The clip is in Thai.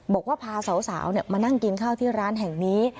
บอกว่าพาสาวมานั่งกินข้าวที่ร้านแห่งนี้